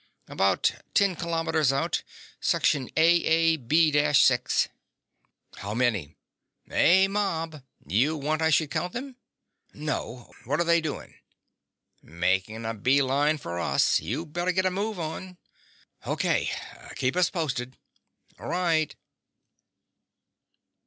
"About ten kilometers out. Section AAB 6." "How many?" "A mob. You want I should count them?" "No. What're they doing?" "Making a beeline for us. You better get a move on." "O.K. Keep us posted." "Right."